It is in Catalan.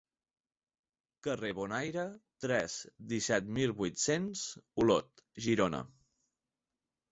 Carrer Bonaire, tres, disset mil vuit-cents Olot, Girona.